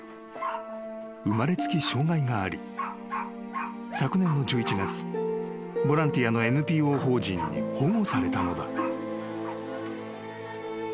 ［生まれつき障がいがあり昨年の１１月ボランティアのＮＰＯ法人に保護されたのだ］